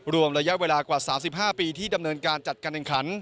รวมระยะเวลากว่า๓๕ปีที่ดำเนินการจัดการแห่งขัน